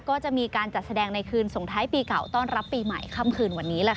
ก็จะมีการจัดแสดงในคืนส่งท้ายปีเก่าต้อนรับปีใหม่ค่ำคืนวันนี้แหละค่ะ